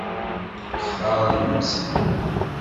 Xtaṛent-tt?